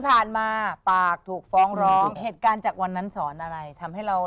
ผ่านมาปากถูกฟ้องร้องเหตุการณ์จากวันนั้นสอนอะไรทำให้เรา